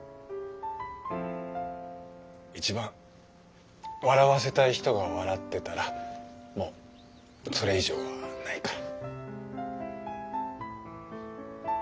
一番笑わせたい人が笑ってたらもうそれ以上はないから。